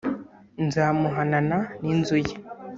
nzamuhanana n inzu ye